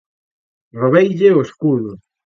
Roubeille o escudo.